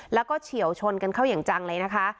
แล้วก็เฉียวชนกันเข้าอย่างจังเลยนะคะ